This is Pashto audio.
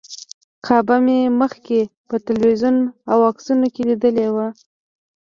کعبه مې مخکې په تلویزیون او عکسونو کې لیدلې وه.